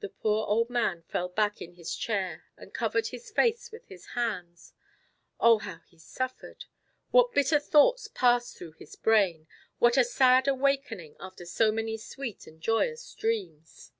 The poor old man fell back in his chair and covered his face with his hands. Oh, how he suffered! What bitter thoughts passed through his brain; what a sad awakening after so many sweet and joyous dreams.